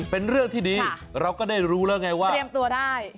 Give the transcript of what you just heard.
เป็นเรื่องที่ดีเราก็ได้รู้แล้วไงว่าเตรียมตัวได้